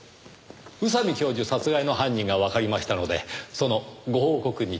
宇佐美教授殺害の犯人がわかりましたのでそのご報告にと。